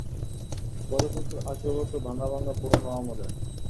ঘরে প্রচুর আসবাবপত্র, ভাঙা ভাঙা, পুরনো আমলের।